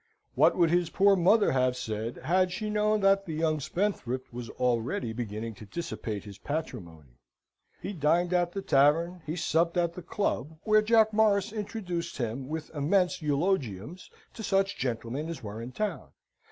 What would his poor mother have said had she known that the young spendthrift was already beginning to dissipate his patrimony? He dined at the tavern, he supped at the club, where Jack Morris introduced him, with immense eulogiums, to such gentlemen as were in town.